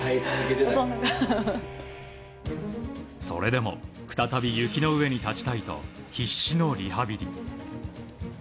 それでも再び雪の上に立ちたいと必死のリハビリ。